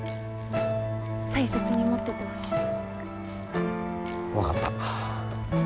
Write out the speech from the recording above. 大切に持っててほしい。分かった。